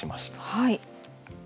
はい。